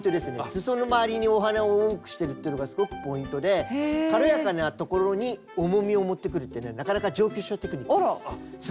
すその回りにお花を多くしてるっていうのがすごくポイントで軽やかなところに重みをもってくるってねなかなか上級者テクニックです。